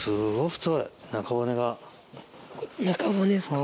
中骨ですか？